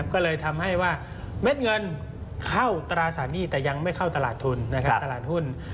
ก็เลยทำให้ว่าเม็ดเงินเข้าตราสารหนี้แต่ยังไม่เข้าตลาดทุนตลาดหุ้น